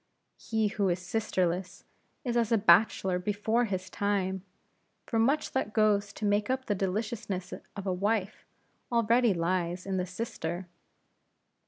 He who is sisterless, is as a bachelor before his time. For much that goes to make up the deliciousness of a wife, already lies in the sister.